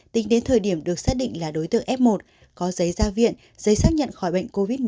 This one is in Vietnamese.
tính đến thời điểm được xác định là đối tượng f một có giấy ra viện giấy xác nhận khỏi bệnh covid một mươi chín